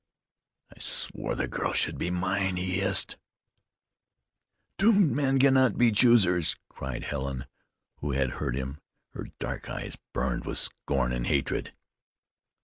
"I swore the girl should be mine," he hissed. "Doomed men cannot be choosers!" cried Helen, who had heard him. Her dark eyes burned with scorn and hatred.